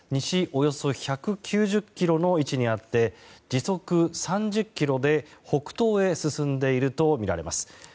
およそ１９０ｋｍの位置にあって時速３０キロで北東へ進んでいるとみられます。